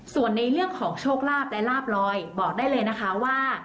ส่วนในเรื่องของโชคลาภและลาบลอยบอกได้เลยนะคะว่า